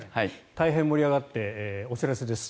大変盛り上がっていますがお知らせです。